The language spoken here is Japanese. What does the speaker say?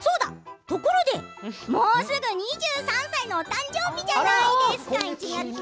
ところでもうすぐ２３歳のお誕生日じゃないですか。